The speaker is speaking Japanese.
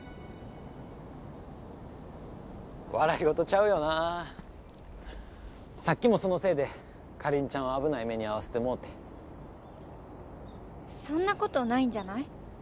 笑い事ちゃうよなさっきもそのせいでカリンちゃんを危ない目に遭わせてもうてそんなことないんじゃない？